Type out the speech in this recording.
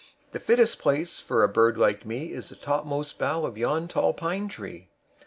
The fittest place for a bird like me Is the topmost bough of yon tall pine tree.